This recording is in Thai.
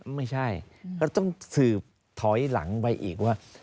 ไม่ใช่ก็ต้องสืบถอยหลังไปอีกว่า